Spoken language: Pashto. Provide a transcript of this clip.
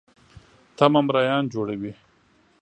تمه مریان جوړوي.